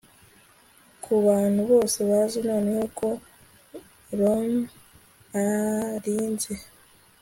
kubantu bose bazi noneho ko rum arinze